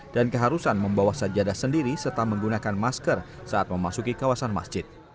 dan keharusan membawa sajadah sendiri serta menggunakan masker saat memasuki kawasan masjid